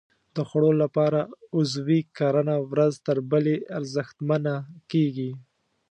د خوړو لپاره عضوي کرنه ورځ تر بلې ارزښتمنه کېږي.